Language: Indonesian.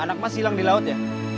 anak emas hilang di laut ya